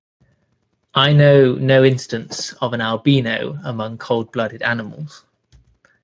I know no instance of an albino among cold-blooded animals.